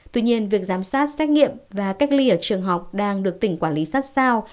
tuy nhiên việc giám sát xét nghiệm và cách ly ở trường học đang được tỉnh quản lý sát sao